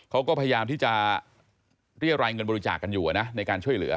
เขาก็พยายามที่จะเรียรายเงินบริจาคกันอยู่ในการช่วยเหลือ